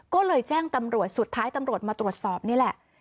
ก็เลยแจ้งตำรวจสุดท้ายตำรวจมาตรวจสอบนี่แหละ